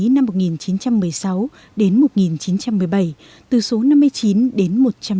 năm một nghìn chín trăm một mươi sáu đến một nghìn chín trăm một mươi bảy từ số năm mươi chín đến một trăm một mươi